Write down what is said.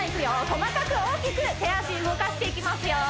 細かく大きく手足動かしていきますよ